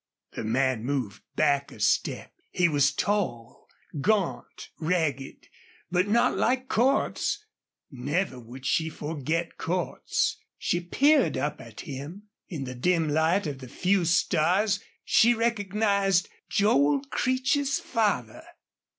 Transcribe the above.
The man moved back a step. He was tall, gaunt, ragged. But not like Cordts! Never would she forget Cordts. She peered up at him. In the dim light of the few stars she recognized Joel Creech's father.